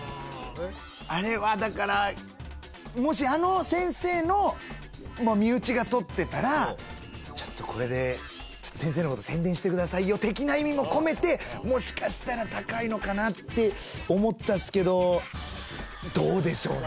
あれはだからもしあの先生の身内が撮ってたらちょっとこれで先生のこと宣伝してくださいよ的な意味も込めてもしかしたら高いのかなって思ったっすけどどうでしょうね